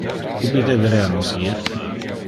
Ubi deberea nos ir?